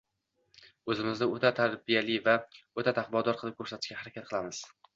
Oʻzimizni oʻta tarbiyali va oʻta taqvodor qilib koʻrsatishga harakat qilamiz.